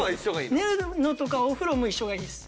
寝るのとかお風呂も一緒がいいです。